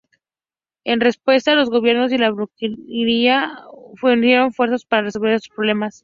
En respuesta, los gobiernos y la burguesía unieron esfuerzos para resolver estos problemas.